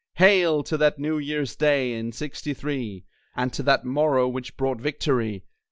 Hail! to that New Year's Day in 'Sixty three, And to that morrow which brought victory.